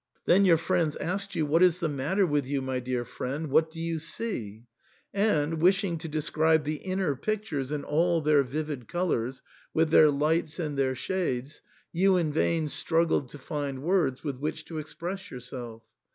Then your friends asked you, " What is the matter with you, my dear friend ? What do you see ?" And, wishing to describe the inner pictures in all their vivid colours, with their lights and their shades, you in vain struggled to find words with which to express yourself.